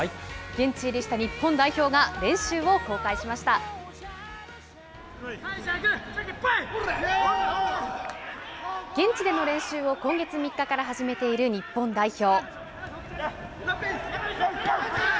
現地入りした日本代表が、練習を最初はグー、現地での練習を今月３日から始めている日本代表。